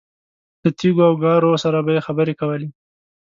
له تیږو او ګارو سره به یې خبرې کولې.